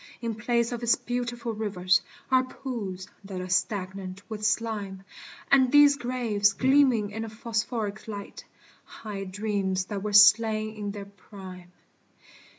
In place of its beautiful rivers, Are pools that are stagnant with slime; And these graves gleaming in a phosphoric light, Hide dreams that were slain in their prime.